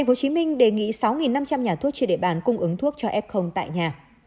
tp hcm đề nghị sáu năm trăm linh nhà thuốc trên địa bàn cung ứng thuốc cho f tại nhà